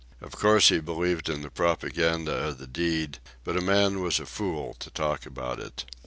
Of course he believed in the propaganda of the deed, but a man was a fool to talk about it.